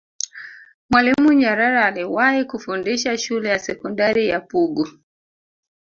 mwalimu nyerere aliwahi kufundisha shule ya sekondari ya pugu